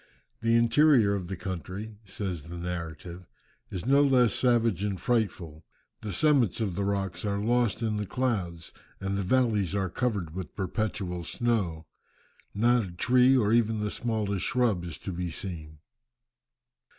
"The interior of the country," says the narrative, "is no less savage and frightful. The summits of the rocks are lost in the clouds and the valleys are covered with perpetual snow. Not a tree or even the smallest shrub is to be seen."